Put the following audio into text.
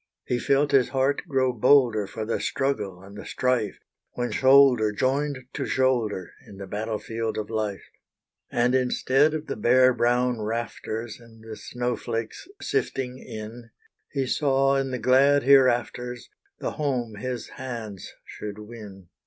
He felt his heart grow bolder For the struggle and the strife, When shoulder joined to shoulder, In the battle field of life. And instead of the bare brown rafters, And the snowflakes sifting in, He saw in the glad hereafters, The home his hands should win.